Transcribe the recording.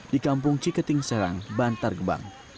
di kampung ciketing serang bantar gebang